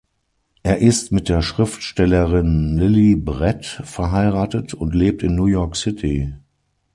Er ist mit der Schriftstellerin Lily Brett verheiratet und lebt in New York City.